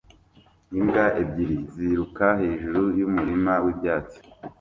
Imbwa ebyiri ziruka hejuru yumurima wibyatsi